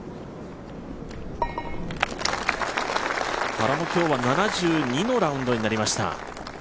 原も今日も７２のラウンドになりました。